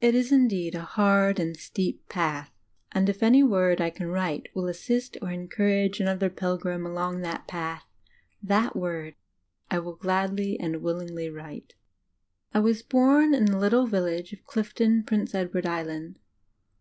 It is indeed a "hard and steep" path; and if any word I can write wilt assist or encourage another pilgrim along that path, that word I gladly and willingly write. I was bom in the little village of Clifton, Prince Edward Island.